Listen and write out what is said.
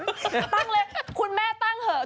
ตั้งเลยคุณแม่ตั้งเหอะ